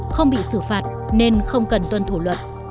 không bị xử phạt nên không cần tuân thủ luật